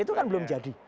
itu kan belum jadi